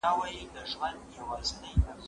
زه به کتابتون ته راغلی وي!!